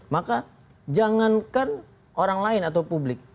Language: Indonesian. maka jangankan orang lain atau publik